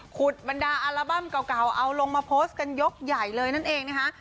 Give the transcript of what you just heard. บรรดาอัลบั้มเก่าเอาลงมาโพสต์กันยกใหญ่เลยนั่นเองนะคะ